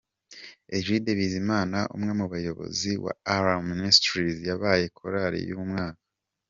Egide Bizima umwe mu bayobozi wa Alarm Ministries yabaye Korali y'umwaka.